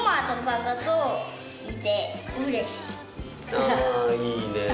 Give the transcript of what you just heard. あいいねえ。